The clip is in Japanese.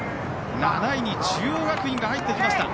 ７位で中央学院が入ってきました。